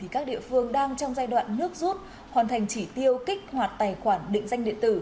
các địa phương đang trong giai đoạn nước rút hoàn thành chỉ tiêu kích hoạt tài khoản định danh điện tử